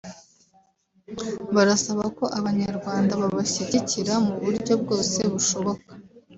barasaba ko abanyarwanda babashyigikira mu buryo bwose bushoboka